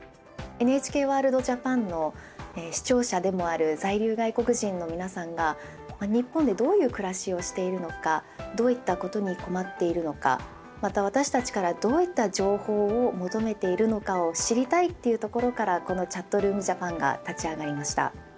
ＮＨＫＷＯＲＬＤＪＡＰＡＮの視聴者でもある在留外国人の皆さんが日本でどういう暮らしをしているのかどういったことに困っているのかまた私たちからどういった情報を求めているのかを知りたいというところからこの「ＣｈａｔｒｏｏｍＪａｐａｎ」が立ち上がりました。